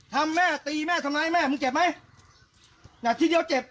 แม่ตีแม่ทำร้ายแม่มึงเจ็บไหมหนักทีเดียวเจ็บ